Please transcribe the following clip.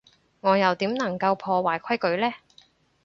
我又點能夠破壞規矩呢？